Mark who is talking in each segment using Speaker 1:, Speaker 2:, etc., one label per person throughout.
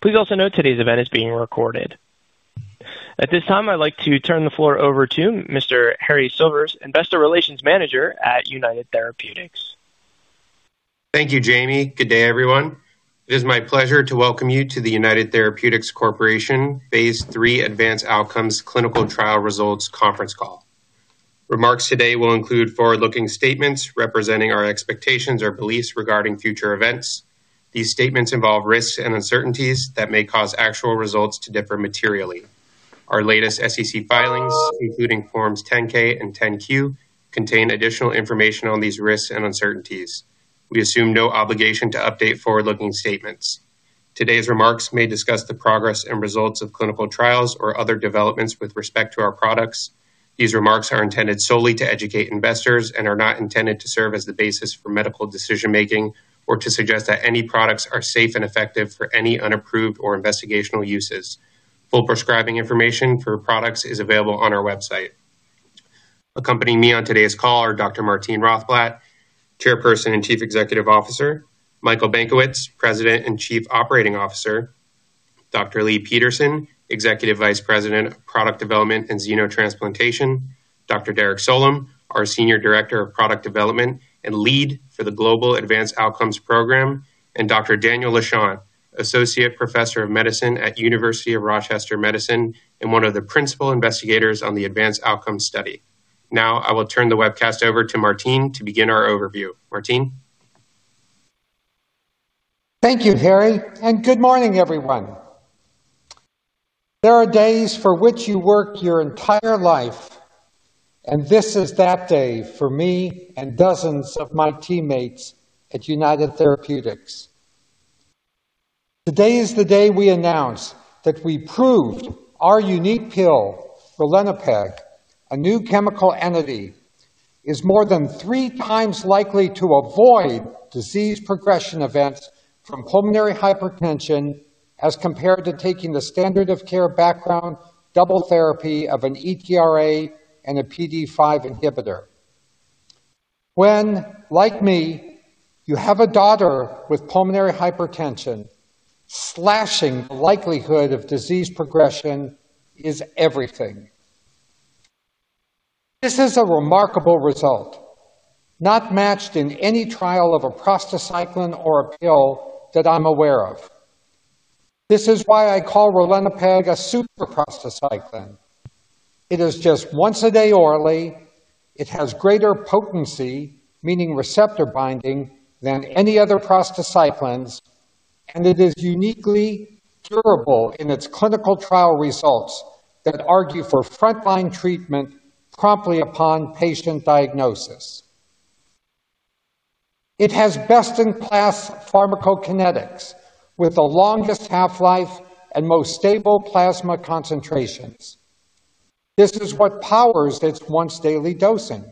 Speaker 1: Please also note today's event is being recorded. At this time, I'd like to turn the floor over to Mr. Harrison Silvers, Investor Relations Manager at United Therapeutics.
Speaker 2: Thank you, Jamie. Good day, everyone. It is my pleasure to welcome you to the United Therapeutics Corporation Phase III ADVANCE OUTCOMES Clinical Trial Results Conference Call. Remarks today will include forward-looking statements representing our expectations or beliefs regarding future events. These statements involve risks and uncertainties that may cause actual results to differ materially. Our latest SEC filings, including forms 10-K and 10-Q, contain additional information on these risks and uncertainties. We assume no obligation to update forward-looking statements. Today's remarks may discuss the progress and results of clinical trials or other developments with respect to our products. These remarks are intended solely to educate investors and are not intended to serve as the basis for medical decision-making or to suggest that any products are safe and effective for any unapproved or investigational uses. Full prescribing information for products is available on our website. Accompanying me on today's call are Dr. Martine Rothblatt, Chairperson and Chief Executive Officer, Michael Benkowitz, President and Chief Operating Officer, Dr. Leigh Peterson, Executive Vice President of Product Development and Xenotransplantation, Dr. Derek Solum, our Senior Director of Product Development and lead for the Global Advanced Outcomes Program, and Dr. Daniel Lachant, Associate Professor of Medicine at University of Rochester Medicine and one of the principal investigators on the ADVANCE OUTCOMES study. I will turn the webcast over to Martine to begin our overview. Martine.
Speaker 3: Thank you, Harry. Good morning, everyone. There are days for which you work your entire life. This is that day for me and dozens of my teammates at United Therapeutics. Today is the day we announce that we proved our unique pill, ralinepag, a new chemical entity, is more than three times likely to avoid disease progression events from pulmonary hypertension as compared to taking the standard of care background double therapy of an ETRA and a PDE5 inhibitor. When, like me, you have a daughter with pulmonary hypertension, slashing the likelihood of disease progression is everything. This is a remarkable result, not matched in any trial of a prostacyclin or a pill that I'm aware of. This is why I call ralinepag a super prostacyclin. It is just once a day orally. It has greater potency, meaning receptor binding, than any other prostacyclins. It is uniquely durable in its clinical trial results that argue for frontline treatment promptly upon patient diagnosis. It has best-in-class pharmacokinetics with the longest half-life and most stable plasma concentrations. This is what powers its once daily dosing.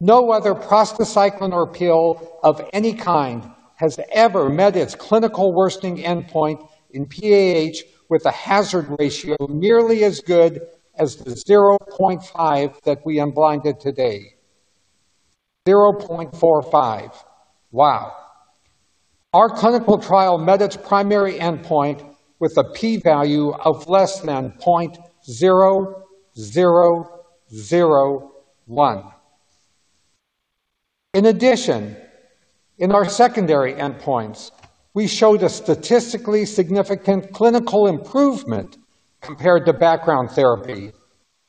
Speaker 3: No other prostacyclin or pill of any kind has ever met its clinical worsening endpoint in PAH with a hazard ratio nearly as good as the 0.5 that we unblinded today. 0.45. Wow. Our clinical trial met its primary endpoint with a P value of less than 0.0001. In addition, in our secondary endpoints, we showed a statistically significant clinical improvement compared to background therapy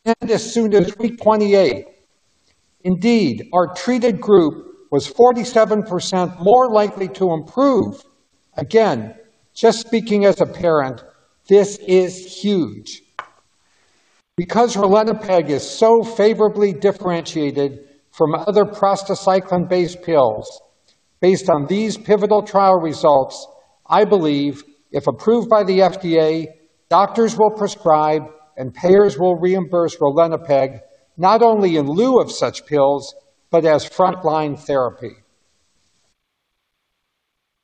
Speaker 3: and as soon as 328. Indeed, our treated group was 47% more likely to improve. Again, just speaking as a parent, this is huge. Because ralinepag is so favorably differentiated from other prostacyclin-based pills, based on these pivotal trial results, I believe if approved by the FDA, doctors will prescribe and payers will reimburse ralinepag not only in lieu of such pills, but as frontline therapy.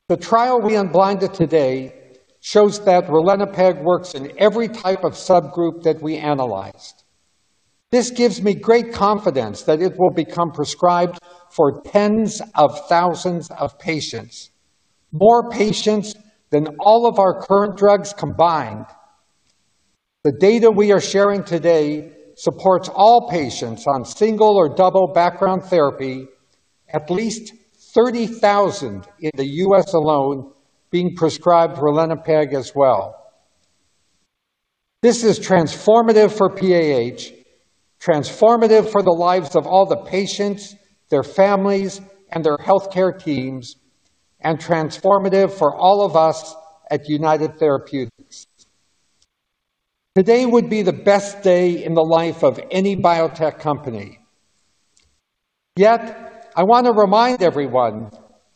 Speaker 3: The trial we unblinded today shows that ralinepag works in every type of subgroup that we analyzed. This gives me great confidence that it will become prescribed for tens of thousands of patients, more patients than all of our current drugs combined. The data we are sharing today supports all patients on single or double background therapy, at least 30,000 in the U.S. alone being prescribed ralinepag as well. This is transformative for PAH, transformative for the lives of all the patients, their families, and their healthcare teams, and transformative for all of us at United Therapeutics. Today would be the best day in the life of any biotech company. Yet, I want to remind everyone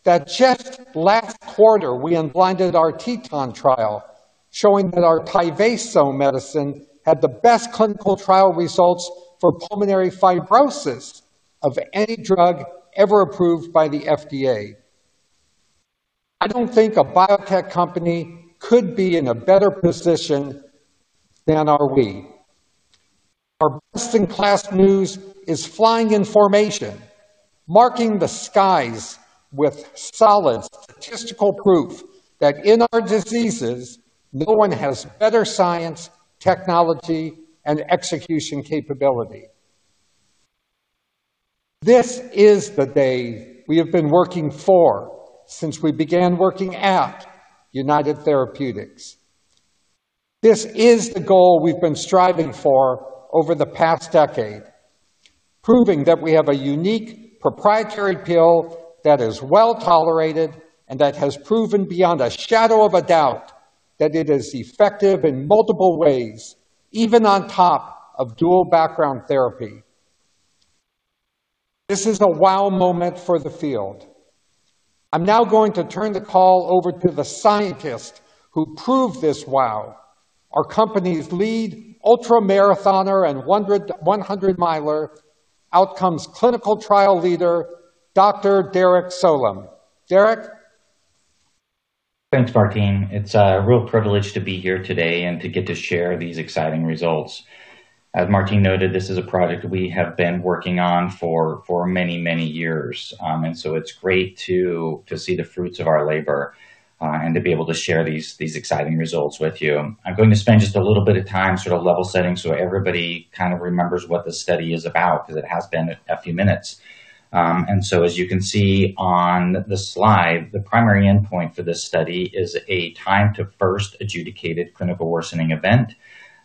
Speaker 3: that just last quarter, we unblinded our TETON trial, showing that our Tyvaso medicine had the best clinical trial results for pulmonary fibrosis of any drug ever approved by the FDA. I don't think a biotech company could be in a better position than are we. Our best-in-class news is flying in formation, marking the skies with solid statistical proof that in our diseases, no one has better science, technology, and execution capability. This is the day we have been working for since we began working at United Therapeutics. This is the goal we've been striving for over the past decade, proving that we have a unique proprietary pill that is well-tolerated and that has proven beyond a shadow of a doubt that it is effective in multiple ways, even on top of dual background therapy. This is a wow moment for the field. I'm now going to turn the call over to the scientist who proved this wow. Our company's lead ultra-marathoner and 100 miler outcomes clinical trial leader, Dr. Derek Solum. Derek
Speaker 4: Thanks, Martine. It's a real privilege to be here today and to get to share these exciting results. As Martine noted, this is a project we have been working on for many, many years. it's great to see the fruits of our labor and to be able to share these exciting results with you. I'm going to spend just a little bit of time sort of level setting so everybody kind of remembers what the study is about because it has been a few minutes. as you can see on the slide, the primary endpoint for this study is a time to first adjudicated clinical worsening event.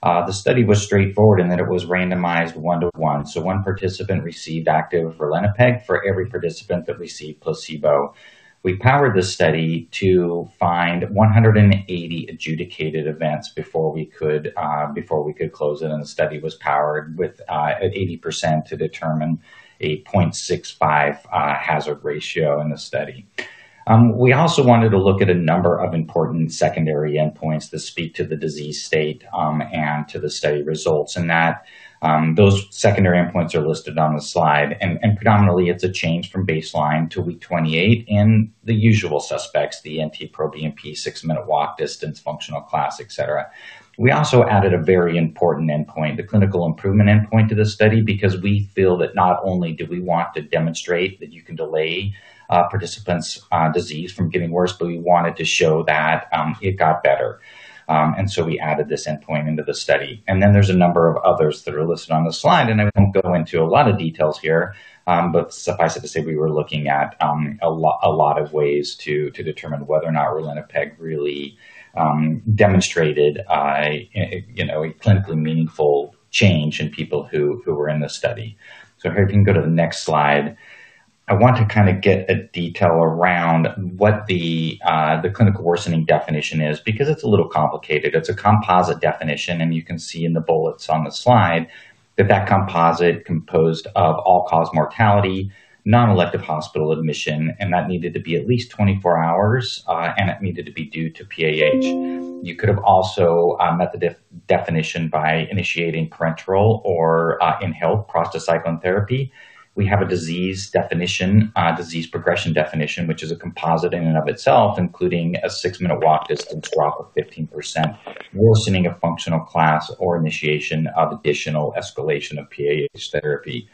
Speaker 4: The study was straightforward in that it was randomized 1-to-1. One participant received active ralinepag for every participant that received placebo. We powered the study to find 180 adjudicated events before we could, before we could close it. The study was powered with at 80% to determine a 0.65 hazard ratio in the study. We also wanted to look at a number of important secondary endpoints that speak to the disease state, and to the study results. That those secondary endpoints are listed on the slide. Predominantly, it's a change from baseline to week 28 in the usual suspects, the NT-proBNP, six-minute walk distance, functional class, et cetera. We also added a very important endpoint, the clinical improvement endpoint to the study, because we feel that not only do we want to demonstrate that you can delay participants' disease from getting worse, but we wanted to show that it got better. We added this endpoint into the study. There's a number of others that are listed on the slide, and I won't go into a lot of details here, but suffice it to say we were looking at a lot of ways to determine whether or not ralinepag really demonstrated a, you know, a clinically meaningful change in people who were in the study. If we can go to the next slide. I want to kind of get a detail around what the clinical worsening definition is because it's a little complicated. It's a composite definition, and you can see in the bullets on the slide that that composite composed of all-cause mortality, non-elective hospital admission, and that needed to be at least 24 hours, and it needed to be due to PAH. You could have also met the definition by initiating parenteral or inhaled prostacyclin therapy. We have a disease definition, disease progression definition, which is a composite in and of itself, including a six-minute walk distance drop of 15%, worsening of functional class, or initiation of additional escalation of PAH therapy.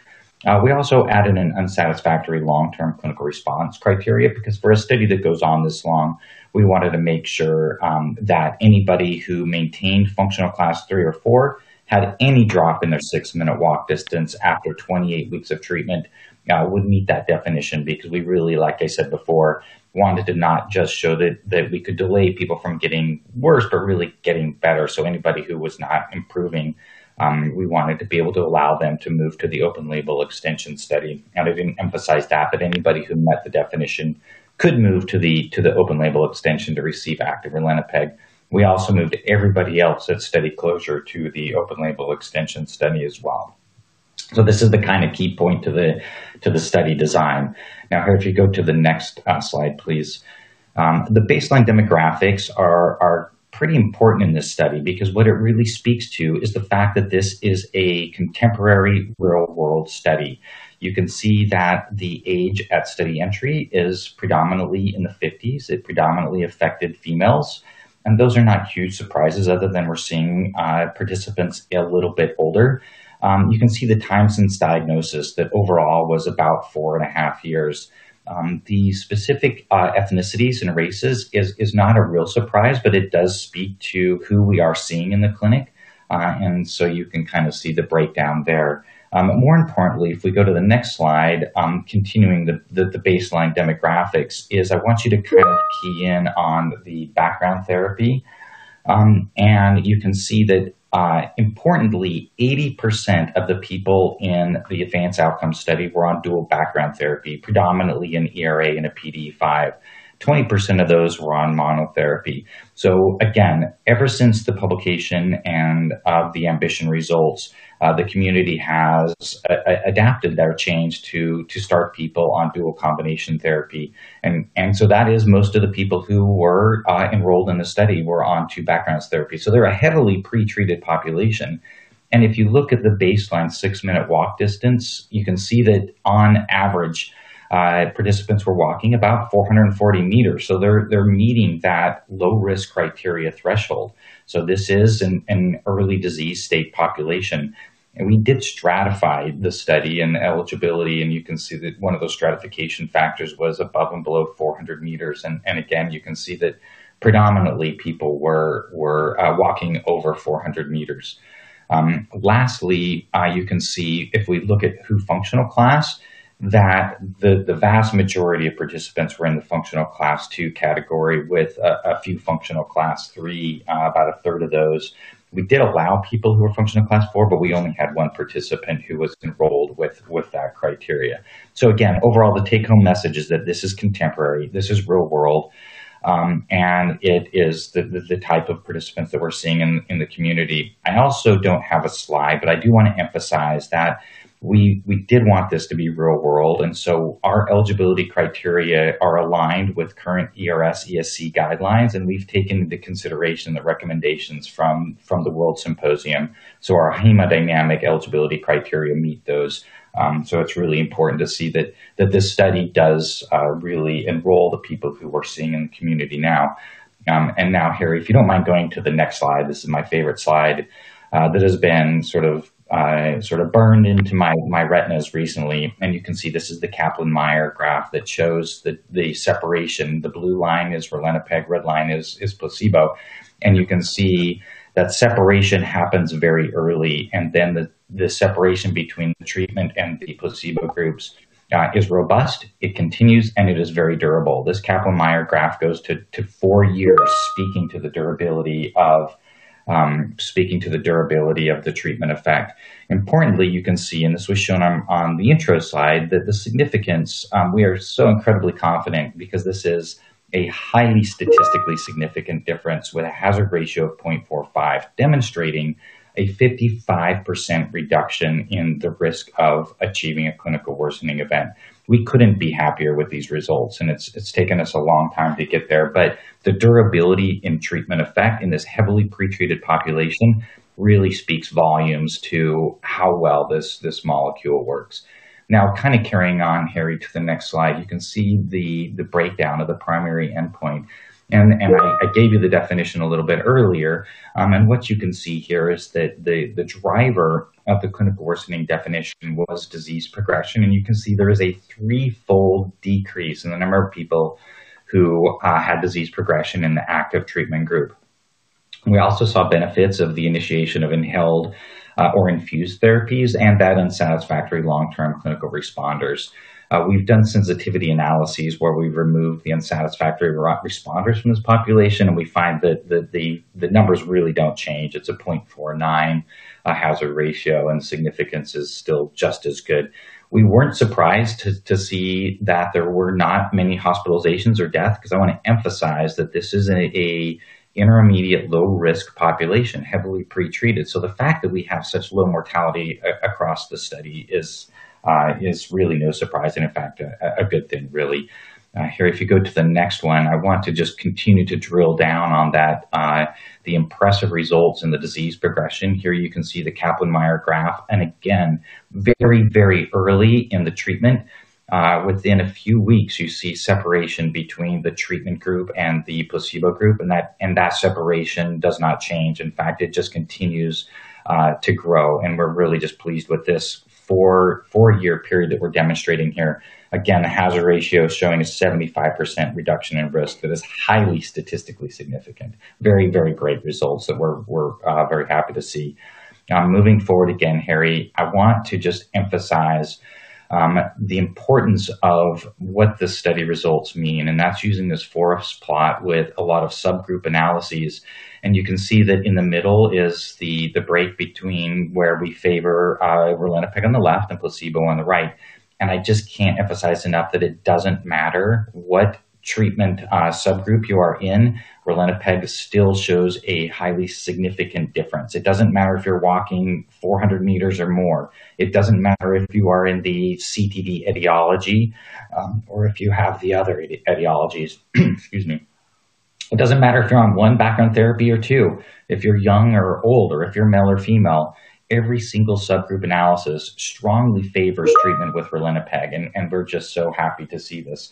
Speaker 4: We also added an unsatisfactory long-term clinical response criteria because for a study that goes on this long, we wanted to make sure that anybody who maintained functional class III or IV had any drop in their six-minute walk distance after 28 weeks of treatment would meet that definition because we really, like I said before, wanted to not just show that we could delay people from getting worse but really getting better. Anybody who was not improving, we wanted to be able to allow them to move to the open label extension study. I didn't emphasize that, but anybody who met the definition could move to the open label extension to receive active ralinepag. We also moved everybody else at study closer to the open label extension study as well. This is the kind of key point to the study design. Harry, if you go to the next slide, please. The baseline demographics are pretty important in this study because what it really speaks to is the fact that this is a contemporary real-world study. You can see that the age at study entry is predominantly in the 1950s. It predominantly affected females, and those are not huge surprises other than we're seeing participants a little bit older. You can see the time since diagnosis that overall was about 4.5 years. The specific ethnicities and races is not a real surprise, but it does speak to who we are seeing in the clinic. You can kind of see the breakdown there. More importantly, if we go to the next slide, continuing the baseline demographics is I want you to kind of key in on the background therapy. You can see that, importantly, 80% of the people in the ADVANCE OUTCOMES study were on dual background therapy, predominantly an ERA and a PDE5. 20% of those were on monotherapy. Again, ever since the publication and of the AMBITION results, the community has adapted their change to start people on dual combination therapy. That is most of the people who were enrolled in the study were on two backgrounds therapy. They're a heavily pre-treated population. If you look at the baseline six-minute walk distance, you can see that on average, participants were walking about 440 meters. They're meeting that low risk criteria threshold. This is an early disease state population. We did stratify the study and eligibility, and you can see that one of those stratification factors was above and below 400 meters. Again, you can see that predominantly people were walking over 400 meters. Lastly, you can see if we look at through functional class that the vast majority of participants were in the functional class II category with a few functional class III, about a third of those. We did allow people who were functional class IV, but we only had one participant who was enrolled with that criteria. Again, overall, the take-home message is that this is contemporary, this is real world, and it is the type of participants that we're seeing in the community. I also don't have a slide, but I do want to emphasize that we did want this to be real world, our eligibility criteria are aligned with current ERS/ESC guidelines, and we've taken into consideration the recommendations from the World Symposium. Our hemodynamic eligibility criteria meet those. It's really important to see that this study does really enroll the people who we're seeing in the community now. Now, Harry, if you don't mind going to the next slide. This is my favorite slide that has been sort of burned into my retinas recently. You can see this is the Kaplan-Meier graph that shows the separation. The blue line is ralinepag, red line is placebo. You can see that separation happens very early. Then the separation between the treatment and the placebo groups is robust, it continues, and it is very durable. This Kaplan-Meier graph goes to four years speaking to the durability of the treatment effect. Importantly, you can see, this was shown on the intro slide, that the significance, we are so incredibly confident because this is a highly statistically significant difference with a hazard ratio of 0.45 demonstrating a 55% reduction in the risk of achieving a clinical worsening event. We couldn't be happier with these results, it's taken us a long time to get there, but the durability in treatment effect in this heavily pre-treated population really speaks volumes to how well this molecule works. Kind of carrying on, Harry, to the next slide, you can see the breakdown of the primary endpoint. I gave you the definition a little bit earlier. What you can see here is that the driver of the clinical worsening definition was disease progression. You can see there is a three-fold decrease in the number of people who had disease progression in the active treatment group. We also saw benefits of the initiation of inhaled or infused therapies and that unsatisfactory long-term clinical responders. We've done sensitivity analyses where we've removed the unsatisfactory responders from this population, and we find that the numbers really don't change. It's a 0.49 hazard ratio, and significance is still just as good. We weren't surprised to see that there were not many hospitalizations or death because I want to emphasize that this is a intermediate low risk population, heavily pre-treated. The fact that we have such low mortality across the study is really no surprise, and in fact, a good thing really. Harry, if you go to the next one, I want to just continue to drill down on that, the impressive results in the disease progression. Here you can see the Kaplan-Meier graph, and again, very, very early in the treatment, within a few weeks, you see separation between the treatment group and the placebo group, and that separation does not change. In fact, it just continues to grow, and we're really just pleased with this four-year period that we're demonstrating here. Again, a hazard ratio showing a 75% reduction in risk that is highly statistically significant. Very, very great results that we're very happy to see. Moving forward again, Harry, I want to just emphasize, the importance of what the study results mean, and that's using this forest plot with a lot of subgroup analyses. You can see that in the middle is the break between where we favor ralinepag on the left and placebo on the right. I just can't emphasize enough that it doesn't matter what treatment subgroup you are in. Ralinepag still shows a highly significant difference. It doesn't matter if you're walking 400 meters or more. It doesn't matter if you are in the CTD etiology or if you have the other etiologies. Excuse me. It doesn't matter if you're on 1 background therapy or 2, if you're young or old, or if you're male or female. Every single subgroup analysis strongly favors treatment with ralinepag, and we're just so happy to see this.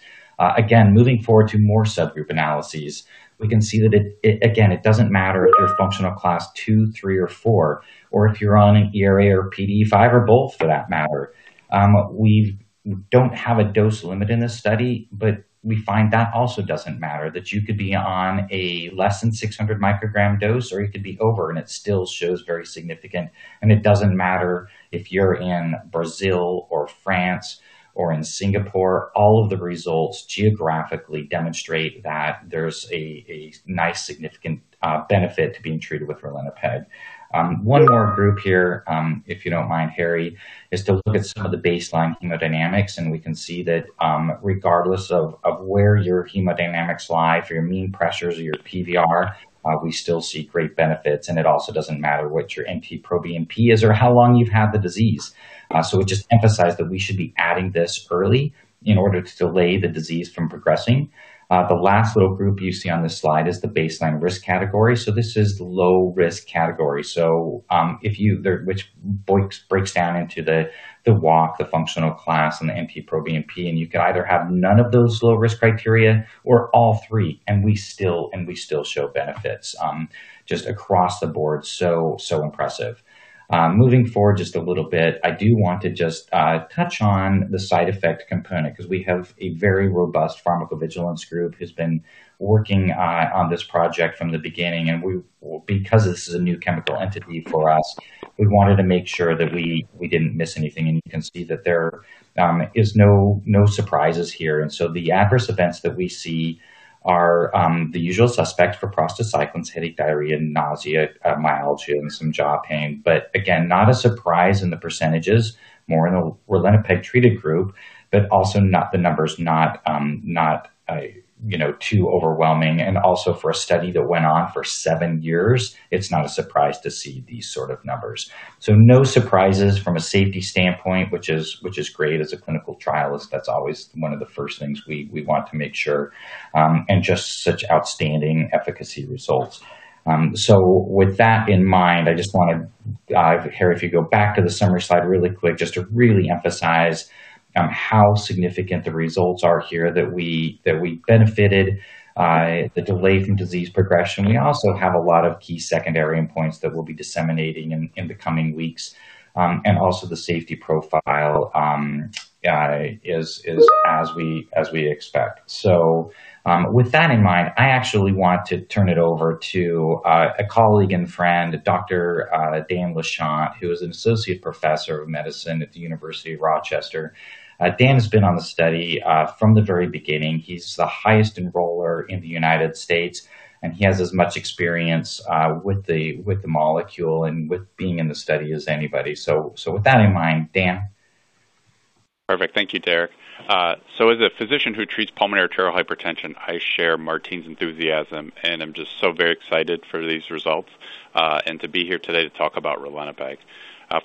Speaker 4: Again, moving forward to more subgroup analyses, we can see that again, it doesn't matter if you're functional class two, three, or four, or if you're on an ERA or PDE5 or both for that matter. We don't have a dose limit in this study, but we find that also doesn't matter, that you could be on a less than 600 microgram dose, or you could be over, and it still shows very significant. It doesn't matter if you're in Brazil or France or in Singapore. All of the results geographically demonstrate that there's a nice significant benefit to being treated with ralinepag. One more group here, if you don't mind, Harry, is to look at some of the baseline hemodynamics, and we can see that, regardless of where your hemodynamics lie, if your mean pressures or your PVR, we still see great benefits. It also doesn't matter what your NT-proBNP is or how long you've had the disease. It just emphasized that we should be adding this early in order to delay the disease from progressing. The last little group you see on this slide is the baseline risk category. So this is the low-risk category. So, if you Which breaks down into the walk, the functional class, and the NT-proBNP, and you could either have none of those low-risk criteria or all three. We still show benefits, just across the board. So impressive. Moving forward just a little bit. I do want to just touch on the side effect component because we have a very robust pharmacovigilance group who's been working on this project from the beginning. Because this is a new chemical entity for us, we wanted to make sure that we didn't miss anything. You can see that there is no surprises here. The adverse events that we see are the usual suspects for prostacyclins, headache, diarrhea, nausea, mild chills, and jaw pain. Again, not a surprise in the percentages, more in the ralinepag-treated group, but also not the numbers, not, you know, too overwhelming. For a study that went on for seven years, it's not a surprise to see these sort of numbers. No surprises from a safety standpoint, which is great as a clinical trialist. That's always one of the first things we want to make sure, and just such outstanding efficacy results. With that in mind, I just want to Harry, if you go back to the summary slide really quick, just to really emphasize on how significant the results are here, that we benefited the delay from disease progression. We also have a lot of key secondary endpoints that we'll be disseminating in the coming weeks. Also the safety profile is as we expect. With that in mind, I actually want to turn it over to a colleague and friend, Dr. Daniel Lachant, who is an Associate Professor of Medicine at the University of Rochester. Dan has been on the study, from the very beginning. He's the highest enroller in the United States, and he has as much experience, with the, with the molecule and with being in the study as anybody. With that in mind, Dan.
Speaker 5: Perfect. Thank you, Derek. As a physician who treats pulmonary arterial hypertension, I share Martine's enthusiasm, and I'm just so very excited for these results, and to be here today to talk about ralinepag.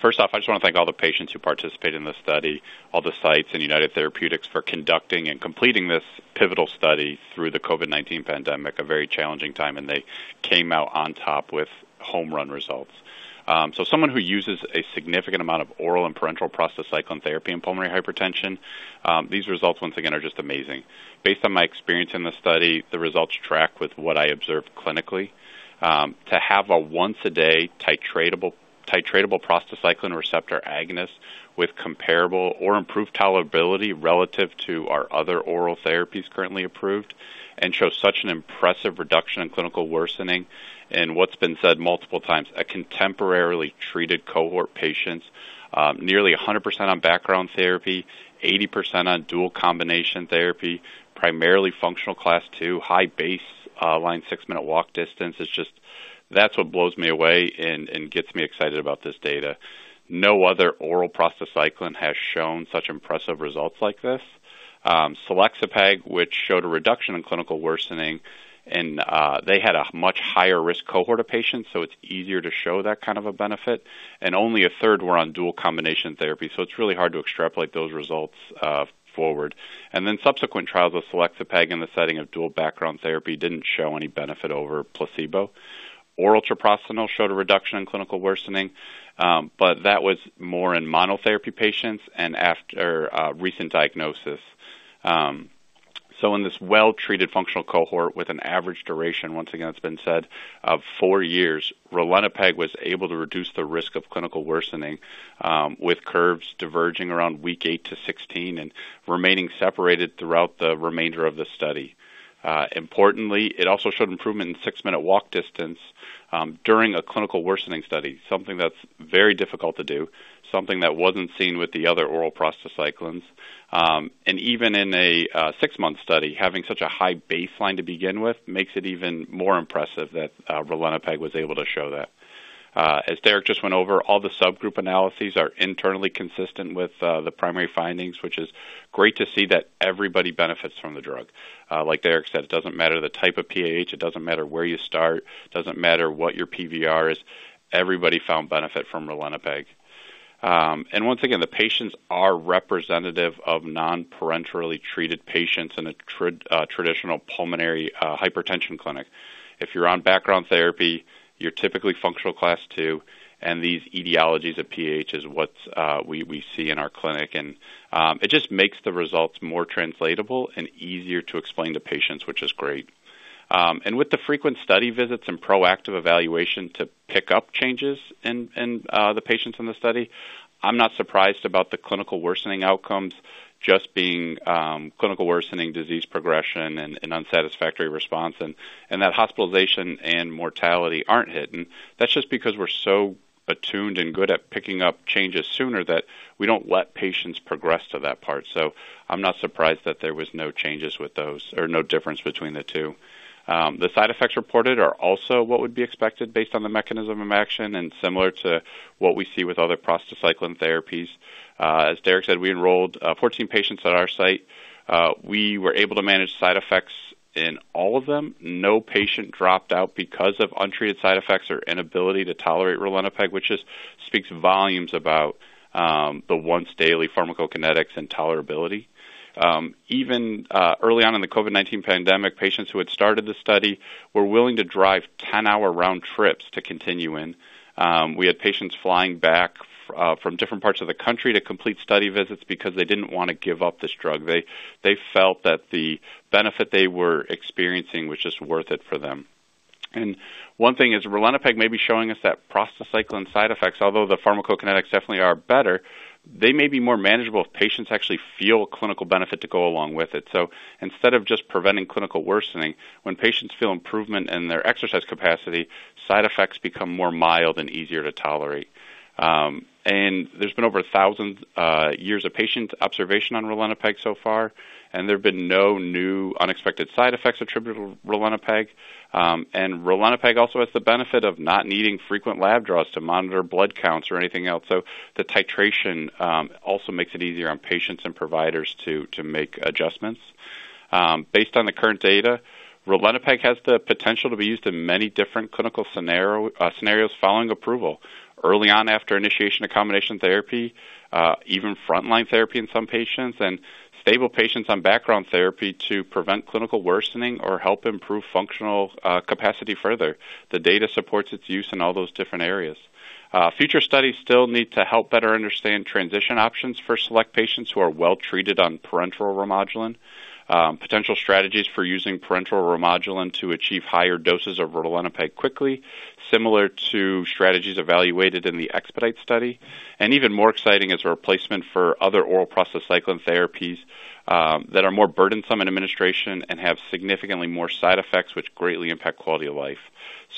Speaker 5: First off, I just want to thank all the patients who participated in this study, all the sites in United Therapeutics for conducting and completing this pivotal study through the COVID-19 pandemic, a very challenging time, and they came out on top with home run results. Someone who uses a significant amount of oral and parenteral prostacyclin therapy in pulmonary hypertension, these results once again are just amazing. Based on my experience in this study, the results track with what I observe clinically. To have a once-a-day titratable prostacyclin receptor agonist with comparable or improved tolerability relative to our other oral therapies currently approved and show such an impressive reduction in clinical worsening. What's been said multiple times, a contemporarily treated cohort patients, nearly 100% on background therapy, 80% on dual combination therapy, primarily functional class II, high baseline six-minute walk distance is just that's what blows me away and gets me excited about this data. No other oral prostacyclin has shown such impressive results like this. Selexipag, which showed a reduction in clinical worsening, and they had a much higher risk cohort of patients, so it's easier to show that kind of a benefit. Only a third were on dual combination therapy, so it's really hard to extrapolate those results forward. Subsequent trials of selexipag in the setting of dual background therapy didn't show any benefit over placebo. Oral treprostinil showed a reduction in clinical worsening, but that was more in monotherapy patients and after recent diagnosis. In this well-treated functional cohort with an average duration, once again, it's been said, of four years, ralinepag was able to reduce the risk of clinical worsening with curves diverging around week eight to 16 and remaining separated throughout the remainder of the study. Importantly, it also showed improvement in 6-minute walk distance during a clinical worsening study, something that's very difficult to do, something that wasn't seen with the other oral prostacyclins. Even in a 6-month study, having such a high baseline to begin with makes it even more impressive that ralinepag was able to show that. As Derek just went over, all the subgroup analyses are internally consistent with the primary findings, which is great to see that everybody benefits from the drug. Like Derek said, it doesn't matter the type of PAH, it doesn't matter where you start, doesn't matter what your PVR is. Everybody found benefit from ralinepag. And once again, the patients are representative of non-parentally treated patients in a traditional pulmonary hypertension clinic. If you're on background therapy, you're typically functional class!!, and these etiologies of PH is what we see in our clinic. It just makes the results more translatable and easier to explain to patients, which is great. With the frequent study visits and proactive evaluation to pick up changes in the patients in the study, I'm not surprised about the clinical worsening outcomes just being clinical worsening disease progression and unsatisfactory response. That hospitalization and mortality aren't hidden. That's just because we're so attuned and good at picking up changes sooner that we don't let patients progress to that part. I'm not surprised that there was no changes with those or no difference between the two. The side effects reported are also what would be expected based on the mechanism of action and similar to what we see with other prostacyclin therapies. As Derek said, we enrolled 14 patients at our site. We were able to manage side effects in all of them. No patient dropped out because of untreated side effects or inability to tolerate ralinepag, which just speaks volumes about the once daily pharmacokinetics and tolerability. Even early on in the COVID-19 pandemic, patients who had started the study were willing to drive 10-hour round trips to continue in. We had patients flying back from different parts of the country to complete study visits because they didn't want to give up this drug. They felt that the benefit they were experiencing was just worth it for them. One thing is ralinepag may be showing us that prostacyclin side effects, although the pharmacokinetics definitely are better, they may be more manageable if patients actually feel a clinical benefit to go along with it. Instead of just preventing clinical worsening, when patients feel improvement in their exercise capacity, side effects become more mild and easier to tolerate. There's been over 1,000 years of patient observation on ralinepag so far, and there have been no new unexpected side effects attributed to ralinepag. Ralinepag also has the benefit of not needing frequent lab draws to monitor blood counts or anything else. The titration also makes it easier on patients and providers to make adjustments. Based on the current data, ralinepag has the potential to be used in many different clinical scenarios following approval. Early on after initiation of combination therapy, even frontline therapy in some patients and stable patients on background therapy to prevent clinical worsening or help improve functional capacity further. The data supports its use in all those different areas. Future studies still need to help better understand transition options for select patients who are well treated on parenteral Remodulin. Potential strategies for using parenteral Remodulin to achieve higher doses of ralinepag quickly, similar to strategies evaluated in the EXPEDITE study. Even more exciting is a replacement for other oral prostacyclin therapies, that are more burdensome in administration and have significantly more side effects which greatly impact quality of life.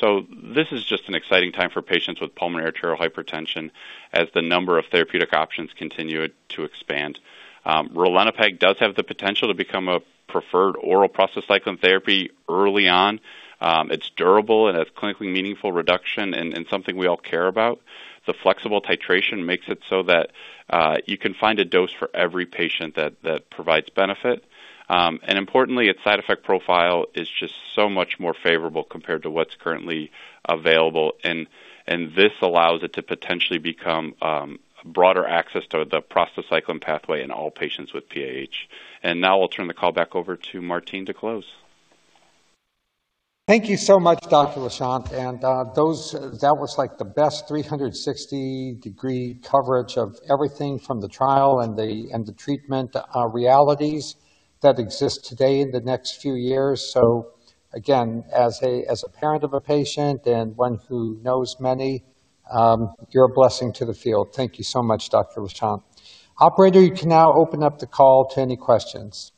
Speaker 5: This is just an exciting time for patients with pulmonary arterial hypertension as the number of therapeutic options continue to expand. Ralinepag does have the potential to become a preferred oral prostacyclin therapy early on. It's durable and has clinically meaningful reduction in something we all care about. The flexible titration makes it so that, you can find a dose for every patient that provides benefit. Importantly, its side effect profile is just so much more favorable compared to what's currently available, and this allows it to potentially become a broader access to the prostacyclin pathway in all patients with PAH. Now I'll turn the call back over to Martine to close.
Speaker 3: Thank you so much, Dr. Lachant. That was like the best 360-degree coverage of everything from the trial and the, and the treatment realities that exist today in the next few years. Again, as a, as a parent of a patient and one who knows many, you're a blessing to the field. Thank you so much, Dr. Lachant. Operator, you can now open up the call to any questions.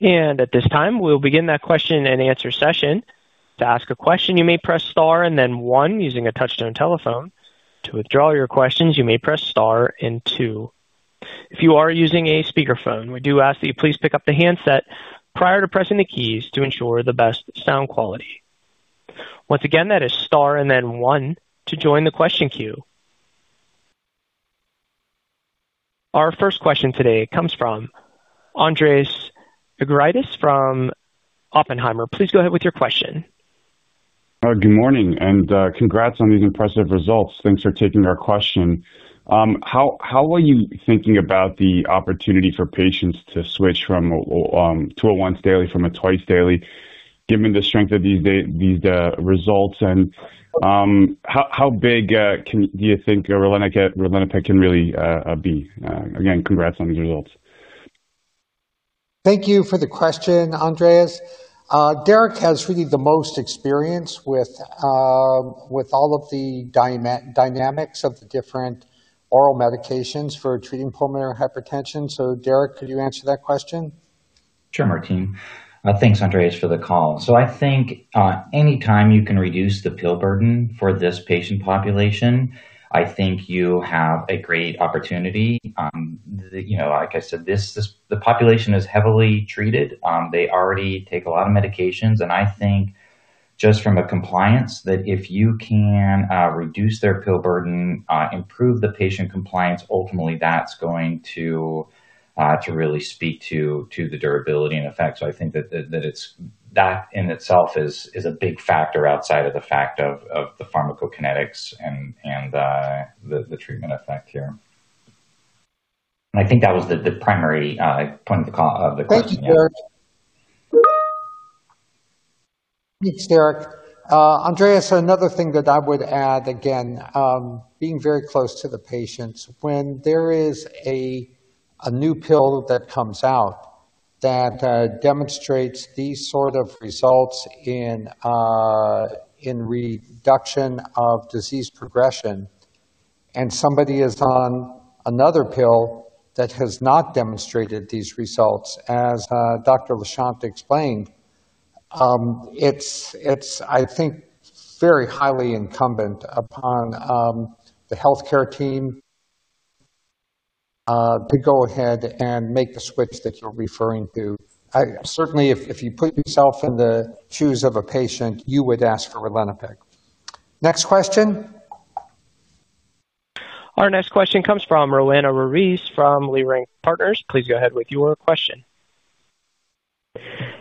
Speaker 1: At this time, we'll begin that question and answer session. To ask a question, you may press star and then one using a touch-tone telephone. To withdraw your questions, you may press star and two. If you are using a speakerphone, we do ask that you please pick up the handset prior to pressing the keys to ensure the best sound quality. Once again, that is star and then one to join the question queue. Our first question today comes from Andreas Argyrides from Oppenheimer. Please go ahead with your question.
Speaker 6: Good morning and congrats on these impressive results. Thanks for taking our question. How, how are you thinking about the opportunity for patients to switch from to a once daily from a twice daily given the strength of these these results? And how big do you think ralinepag can really be? Again, congrats on these results.
Speaker 3: Thank you for the question, Andreas. Derek has really the most experience with all of the dynamics of the different oral medications for treating pulmonary hypertension. Derek, could you answer that question?
Speaker 4: Sure, Martine. Thanks, Andreas, for the call. I think, any time you can reduce the pill burden for this patient population, I think you have a great opportunity. you know, like I said, the population is heavily treated. They already take a lot of medications, I think just from a compliance, that if you can reduce their pill burden, improve the patient compliance, ultimately that's going to really speak to the durability and effect. I think that in itself is a big factor outside of the fact of the pharmacokinetics and the treatment effect here. I think that was the primary point of the question, yeah.
Speaker 3: Thank you, Derek. Thanks, Derek. Andreas, another thing that I would add, again, being very close to the patients, when there is a new pill that comes out that demonstrates these sort of results in reduction of disease progression and somebody is on another pill that has not demonstrated these results, as Dr. Lachant explained, it's I think very highly incumbent upon the healthcare team to go ahead and make the switch that you're referring to. Certainly if you put yourself in the shoes of a patient, you would ask for ralinepag. Next question.
Speaker 1: Our next question comes from Roanna Ruiz from Leerink Partners. Please go ahead with your question.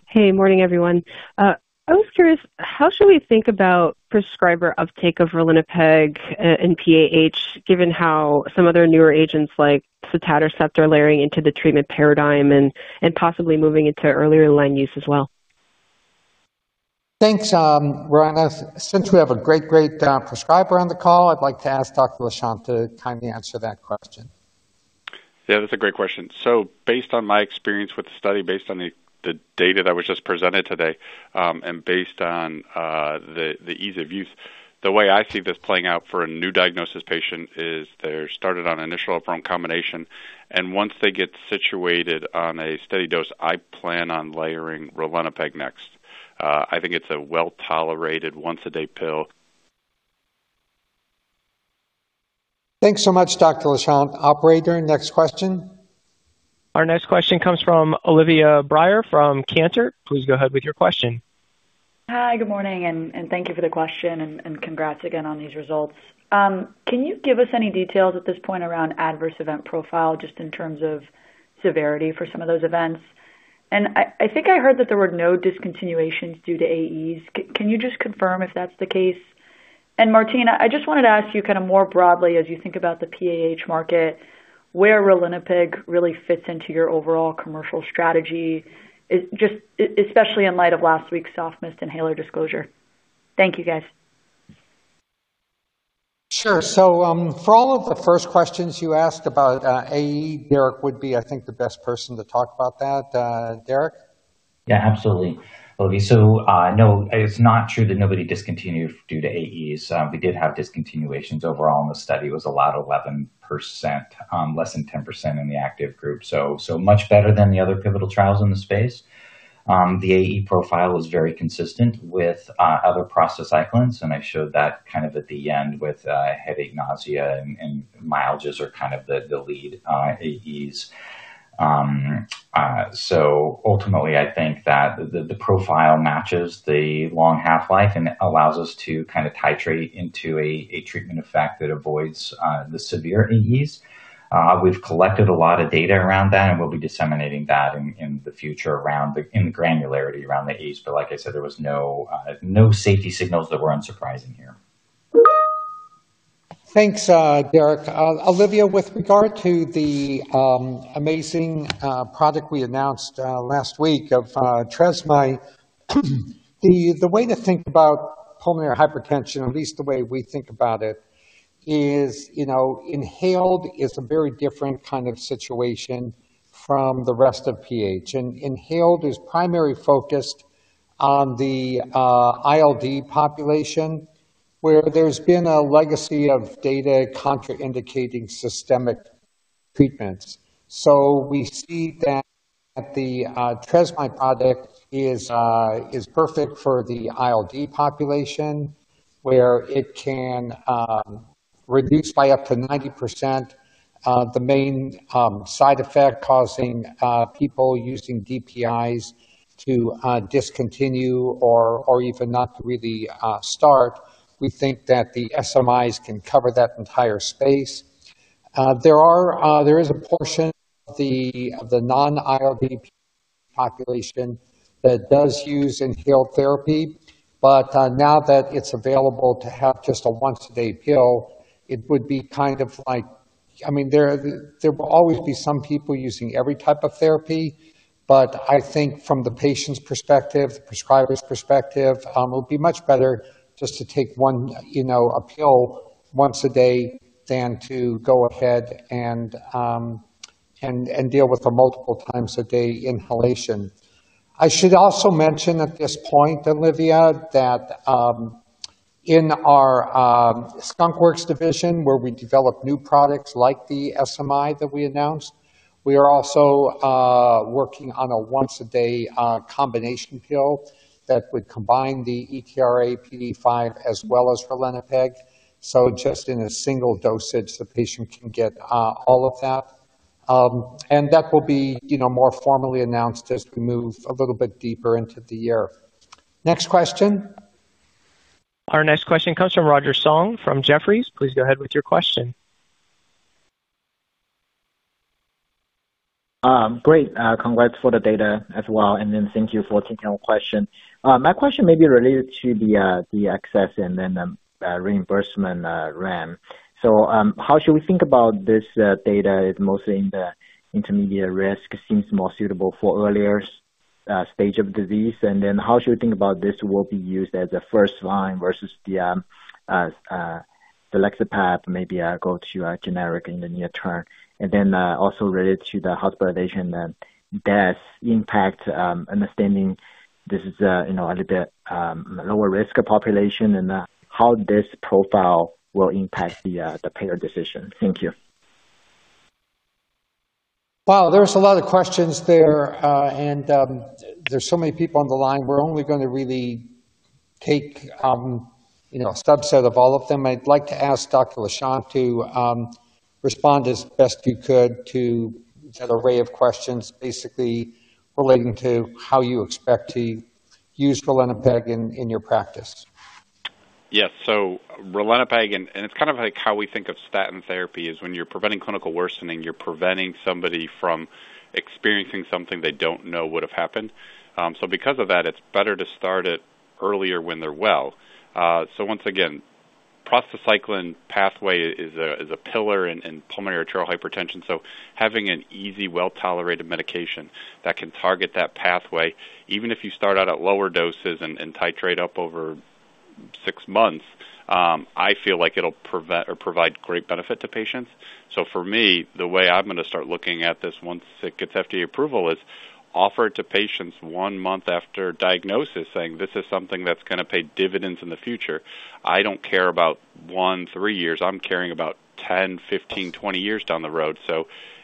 Speaker 7: Hey, morning, everyone. I was curious, how should we think about prescriber uptake of ralinepag in PAH, given how some other newer agents like sotatercept are layering into the treatment paradigm and possibly moving into earlier line use as well?
Speaker 3: Thanks, Roanna. Since we have a great prescriber on the call, I'd like to ask Dr. Lachant to kindly answer that question.
Speaker 5: Yeah, that's a great question. Based on my experience with the study, based on the data that was just presented today, and based on the ease of use, the way I see this playing out for a new diagnosis patient is they're started on initial upfront combination, and once they get situated on a steady dose, I plan on layering ralinepag next. I think it's a well-tolerated once-a-day pill.
Speaker 3: Thanks so much, Dr. Lachant. Operator, next question.
Speaker 1: Our next question comes from Louise Chen from Cantor Fitzgerald. Please go ahead with your question.
Speaker 8: Hi, good morning, and thank you for the question and congrats again on these results. Can you give us any details at this point around adverse event profile just in terms of severity for some of those events? I think I heard that there were no discontinuations due to AEs. Can you just confirm if that's the case? Martine, I just wanted to ask you kind of more broadly as you think about the PAH market, where ralinepag really fits into your overall commercial strategy, especially in light of last week's soft mist inhaler disclosure. Thank you, guys.
Speaker 3: Sure. For all of the first questions you asked about AE, Derek would be, I think, the best person to talk about that. Derek?
Speaker 4: Yeah, absolutely. Louise Chen, no, it's not true that nobody discontinued due to AEs. We did have discontinuations overall in the study. It was a lot, 11%, less than 10% in the active group, so much better than the other pivotal trials in the space. The AE profile was very consistent with other prostacyclins, I showed that kind of at the end with headache, nausea and myalgias are kind of the lead AEs. Ultimately I think that the profile matches the long half-life and allows us to kind of titrate into a treatment effect that avoids the severe AEs. We've collected a lot of data around that, we'll be disseminating that in the future in granularity around the AEs. Like I said, there was no safety signals that were unsurprising here.
Speaker 3: Thanks, Derek. Louise Chen, with regard to the amazing product we announced last week of TreSMI, the way to think about pulmonary hypertension, at least the way we think about it is, you know, inhaled is a very different kind of situation from the rest of PH. Inhaled is primary focused on the ILD population, where there's been a legacy of data contraindicating systemic treatments. We see that the TreSMI product is perfect for the ILD population, where it can reduce by up to 90% the main side effect causing people using DPIs to discontinue or even not to really start. We think that the SMIs can cover that entire space. There are, there is a portion of the non-ILD population that does use inhaled therapy. Now that it's available to have just a once-a-day pill, it would be kind of like... I mean, there will always be some people using every type of therapy. I think from the patient's perspective, the prescriber's perspective, it'll be much better just to take one, you know, a pill once a day than to go ahead and deal with the multiple times a day inhalation. I should also mention at this point, Louise, that in our skunkworks division where we develop new products like the SMI that we announced, we are also working on a once-a-day combination pill that would combine the ERA PDE5 as well as ralinepag. Just in a single dosage, the patient can get all of that. That will be, you know, more formally announced as we move a little bit deeper into the year. Next question.
Speaker 1: Our next question comes from Roger Song from Jefferies. Please go ahead with your question.
Speaker 9: Great. Congrats for the data as well, thank you for taking our question. My question may be related to the access, reimbursement. How should we think about this data is mostly in the intermediate risk, seems more suitable for earlier stage of disease? How should we think about this will be used as a first line versus the selexipag maybe go to a generic in the near term? Also related to the hospitalization and deaths impact, understanding this is, you know, a little bit lower risk population and how this profile will impact the payer decision. Thank you.
Speaker 3: Wow. There's a lot of questions there. There's so many people on the line. We're only gonna really take, you know, a subset of all of them. I'd like to ask Dr. Lachant to respond as best you could to that array of questions basically relating to how you expect to use ralinepag in your practice.
Speaker 5: Yes. ralinepag and it's kind of like how we think of statin therapy, is when you're preventing clinical worsening, you're preventing somebody from experiencing something they don't know would have happened. Because of that, it's better to start it earlier when they're well. Once again, prostacyclin pathway is a pillar in pulmonary arterial hypertension. Having an easy, well-tolerated medication that can target that pathway, even if you start out at lower doses and titrate up over six months, I feel like it'll prevent or provide great benefit to patients. For me, the way I'm gonna start looking at this once it gets FDA approval is offer it to patients 1 month after diagnosis, saying, "This is something that's gonna pay dividends in the future." I don't care about one, three years. I'm caring about 10, 15, 20 years down the road.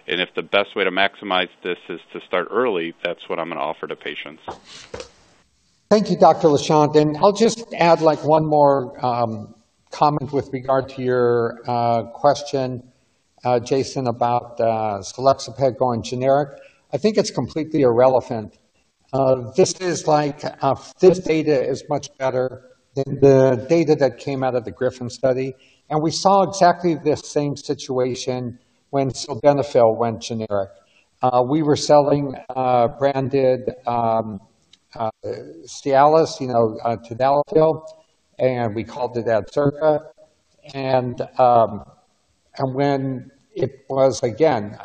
Speaker 5: If the best way to maximize this is to start early, that's what I'm gonna offer to patients.
Speaker 3: Thank you, Dr. Lachant. I'll just add, like, one more comment with regard to your question, Roger, about selexipag going generic. I think it's completely irrelevant. This data is much better than the data that came out of the GRIPHON study. We saw exactly this same situation when sildenafil went generic. We were selling branded Cialis, you know, tadalafil, and we called it Adcirca. And when it was, again,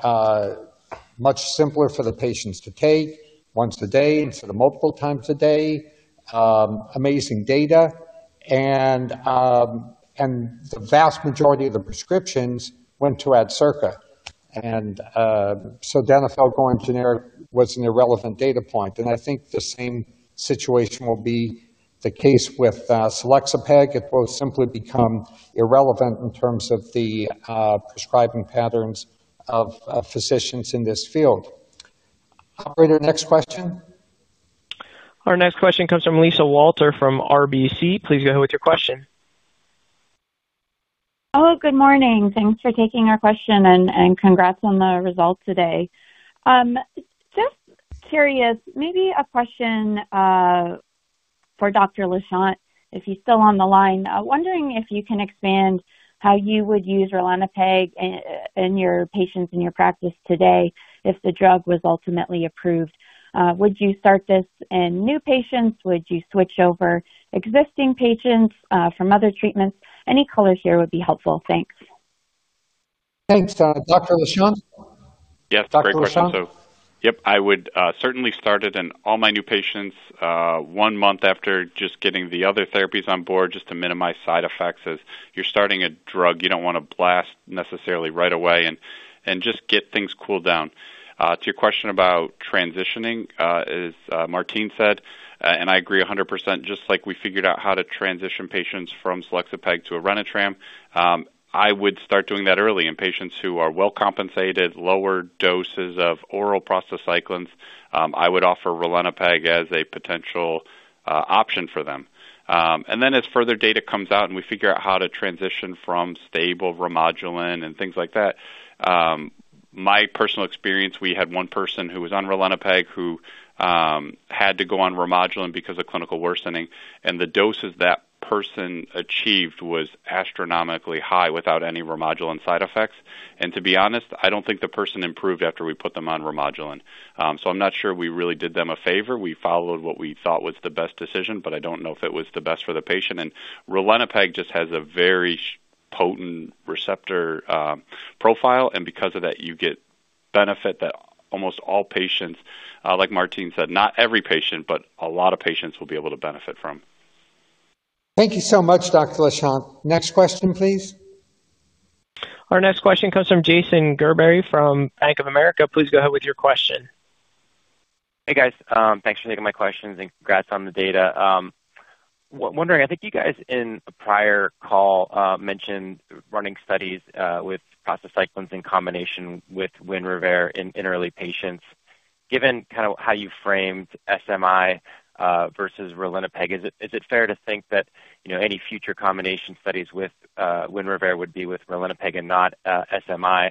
Speaker 3: much simpler for the patients to take once a day instead of multiple times a day, amazing data. And the vast majority of the prescriptions went to Adcirca. Sildenafil going generic was an irrelevant data point. I think the same situation will be the case with selexipag. It will simply become irrelevant in terms of the prescribing patterns of physicians in this field. Operator, next question.
Speaker 1: Our next question comes from Lisa Walter from RBC. Please go ahead with your question.
Speaker 10: Hello, good morning. Thanks for taking our question, and congrats on the results today. Just curious, maybe a question for Dr. Lachant, if he's still on the line. Wondering if you can expand how you would use ralinepag in your patients in your practice today if the drug was ultimately approved. Would you start this in new patients? Would you switch over existing patients from other treatments? Any color here would be helpful. Thanks.
Speaker 3: Thanks. Dr. Lachant?
Speaker 5: Yes. Great question.
Speaker 3: Dr. Lachant? Yep. I would certainly start it in all my new patients, one month after just getting the other therapies on board just to minimize side effects. As you're starting a drug, you don't wanna blast necessarily right away and just get things cooled down. To your question about transitioning, as Martine said, and I agree 100%, just like we figured out how to transition patients from selexipag to Orenitram, I would start doing that early. In patients who are well compensated, lower doses of oral prostacyclins, I would offer ralinepag as a potential option for them.
Speaker 5: Then as further data comes out and we figure out how to transition from stable Remodulin and things like that, my personal experience, we had one person who was on ralinepag who had to go on Remodulin because of clinical worsening, the doses that person achieved was astronomically high without any Remodulin side effects. To be honest, I don't think the person improved after we put them on Remodulin. I'm not sure we really did them a favor. We followed what we thought was the best decision, but I don't know if it was the best for the patient. ralinepag just has a very potent receptor profile, and because of that, you get benefit that almost all patients, like Martine said, not every patient, but a lot of patients will be able to benefit from.
Speaker 3: Thank you so much, Dr. Lachant. Next question, please.
Speaker 1: Our next question comes from Jason Gerberry from Bank of America. Please go ahead with your question.
Speaker 11: Hey, guys. Thanks for taking my questions, and congrats on the data. Wondering, I think you guys in a prior call mentioned running studies with prostacyclins in combination with Winrevair in early patients. Given kind of how you framed SMI versus ralinepag, is it fair to think that, you know, any future combination studies with Winrevair would be with ralinepag and not SMI?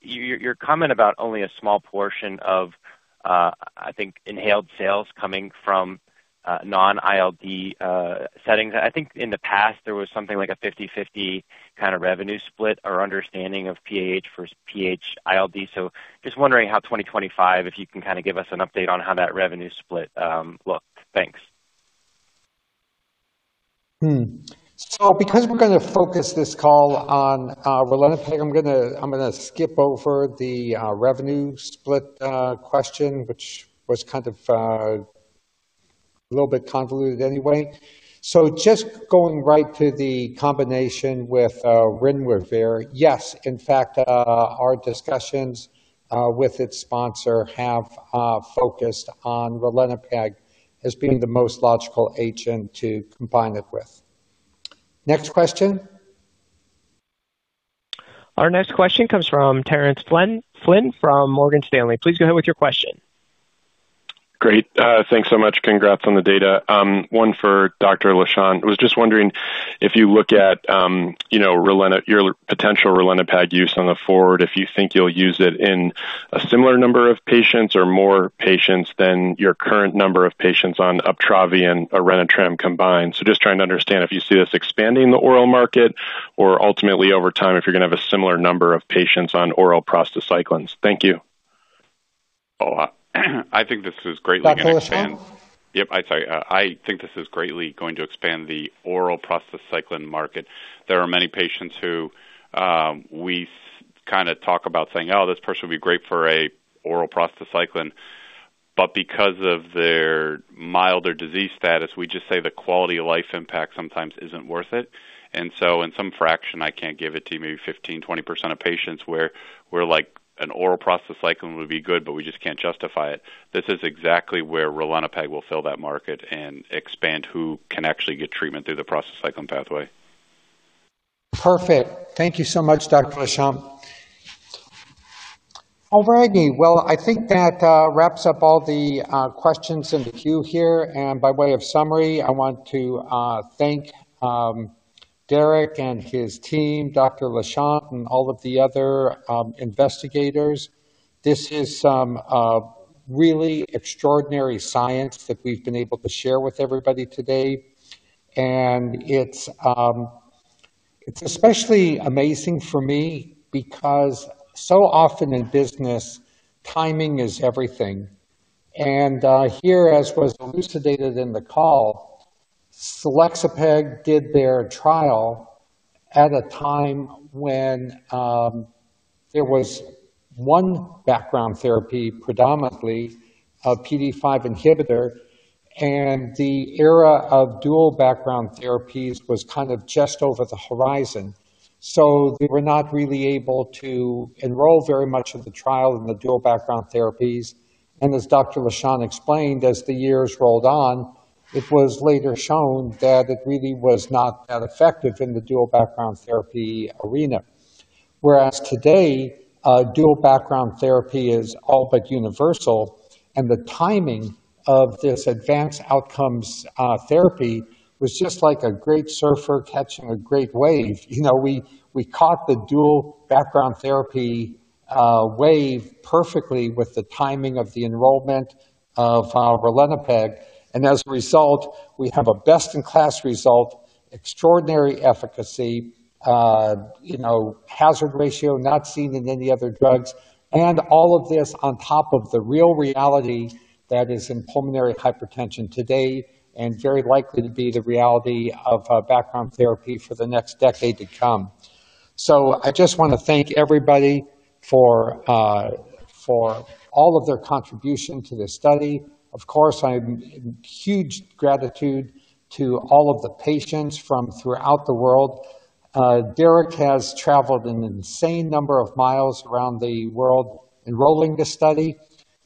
Speaker 11: Your comment about only a small portion of, I think inhaled sales coming from non-ILD settings. I think in the past there was something like a 50/50 kind of revenue split or understanding of PAH versus PH ILD. Just wondering how 2025, if you can kind of give us an update on how that revenue split, looks. Thanks.
Speaker 3: Because we're gonna focus this call on ralinepag, I'm gonna skip over the revenue split question, which was kind of a little bit convoluted anyway. Just going right to the combination with Winrevair here. Yes. In fact, our discussions with its sponsor have focused on ralinepag as being the most logical agent to combine it with. Next question.
Speaker 1: Our next question comes from Terence Flynn from Morgan Stanley. Please go ahead with your question.
Speaker 12: Great. Thanks so much. Congrats on the data. One for Dr. Lachant. I was just wondering if you look at, you know, your potential ralinepag use on the forward, if you think you'll use it in a similar number of patients or more patients than your current number of patients on Uptravi and Orenitram combined. Just trying to understand if you see this expanding the oral market or ultimately over time, if you're gonna have a similar number of patients on oral prostacyclins. Thank you.
Speaker 5: Oh, I think this is greatly going to expand-.
Speaker 3: Dr. Lachant. Yep, I'm sorry. I think this is greatly going to expand the oral prostacyclin market. There are many patients who, we kind of talk about saying, "Oh, this person would be great for an oral prostacyclin." Because of their milder disease status, we just say the quality of life impact sometimes isn't worth it. In some fraction, I can't give it to you maybe 15%, 20% of patients where we're like an oral prostacyclin would be good, but we just can't justify it. This is exactly where ralinepag will fill that market and expand who can actually get treatment through the prostacyclin pathway. Perfect. Thank you so much, Dr. Lachant. All righty. Well, I think that wraps up all the questions in the queue here. By way of summary, I want to thank Derek and his team, Dr. Lachant, and all of the other investigators. This is some really extraordinary science that we've been able to share with everybody today. It's especially amazing for me because so often in business, timing is everything. Here, as was elucidated in the call, selexipag did their trial at a time when there was one background therapy, predominantly a PDE5 inhibitor, and the era of dual background therapies was kind of just over the horizon. They were not really able to enroll very much of the trial in the dual background therapies. As Dr. Lachant explained, as the years rolled on, it was later shown that it really was not that effective in the dual background therapy arena. Whereas today, a dual background therapy is all but universal, and the timing of this ADVANCE OUTCOMES therapy was just like a great surfer catching a great wave. You know, we caught the dual background therapy wave perfectly with the timing of the enrollment of ralinepag. As a result, we have a best-in-class result, extraordinary efficacy, you know, hazard ratio not seen in any other drugs. All of this on top of the real reality that is in pulmonary hypertension today, and very likely to be the reality of background therapy for the next decade to come. I just wanna thank everybody for all of their contribution to this study. Of course, I'm in huge gratitude to all of the patients from throughout the world. Derek has traveled an insane number of miles around the world enrolling this study.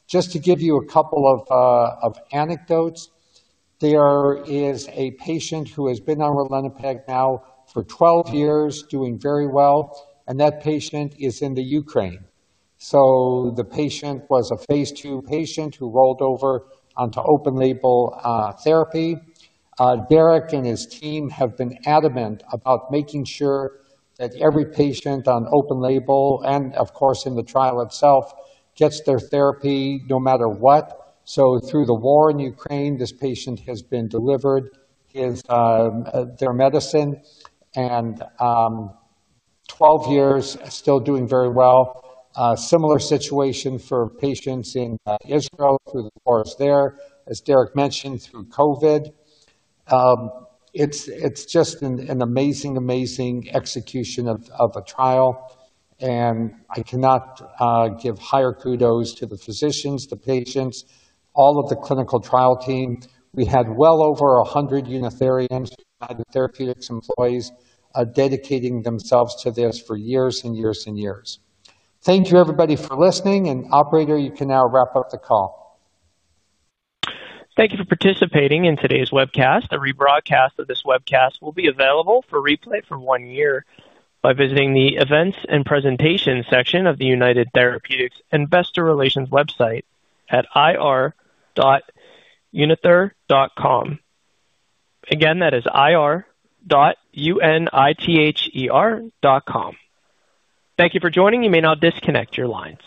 Speaker 3: Just to give you a couple of anecdotes, there is a patient who has been on ralinepag now for 12 years, doing very well, and that patient is in the Ukraine. The patient was a phase II patient who rolled over onto open label therapy. Derek and his team have been adamant about making sure that every patient on open label and, of course, in the trial itself, gets their therapy no matter what. Through the war in Ukraine, this patient has been delivered his, their medicine and 12 years still doing very well. Similar situation for patients in Israel through the course there. As Derek mentioned, through COVID. It's just an amazing execution of a trial, and I cannot give higher kudos to the physicians, the patients, all of the clinical trial team. We had well over 100 United Therapeutics employees dedicating themselves to this for years and years and years. Thank you, everybody, for listening. Operator, you can now wrap up the call.
Speaker 1: Thank you for participating in today's webcast. A rebroadcast of this webcast will be available for replay for one year by visiting the Events and Presentation section of the United Therapeutics Investor Relations website at ir.unither.com. Again, that is ir.u-n-i-t-h-e-r.com. Thank you for joining. You may now disconnect your line.